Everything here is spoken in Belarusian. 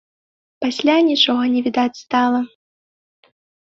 Пасля нічога не відаць стала.